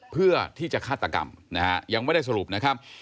เพื่อที่จะฆาตกรรมนะฮะยังไม่ได้สรุปนะครับ